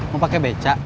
mau pake becak